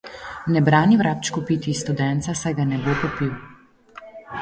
Ne brani vrabčku piti iz studenca, saj ga ne bo popil!